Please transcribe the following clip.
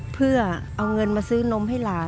เพื่อเอาเงินมาซื้อนมให้หลาน